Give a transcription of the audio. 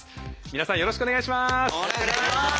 みなさんよろしくお願いします。